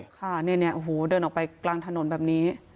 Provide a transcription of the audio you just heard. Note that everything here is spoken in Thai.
ค่ะเนี่ยโอ้โหเดินออกไปกลางถนนแบบนี้